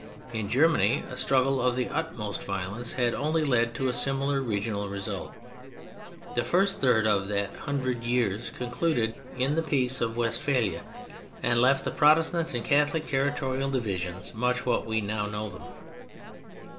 In Germany a struggle of the utmost violence had only led to a similar regional result. The first third of that hundred years concluded in the Peace of Westphalia, and left the Protestant and Catholic territorial divisions much what we novf know them.